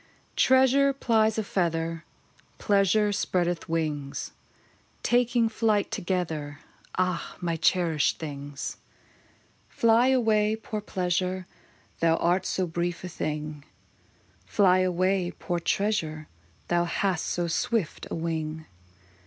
1. REASURE plies a feather, Pleasure spreadeth wings, Taking flight together, — Ah ! my cherished things. LOVE UNDERSTANDS. 51 II. Fly away, poor pleasure, That art so brief a thing: Fly away, poor treasure, That hast so swift a wing.